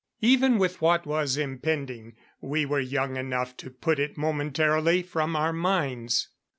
Even with what was impending we were young enough to put it momentarily from our minds.